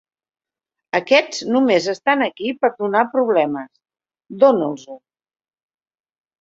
Aquests només estan aquí per donar problemes. Dóna'ls-ho!